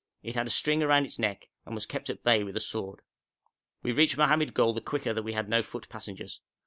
It had a string round its neck, and was kept at bay with a sword. We reached Mohammed Gol the quicker that we had no foot passengers.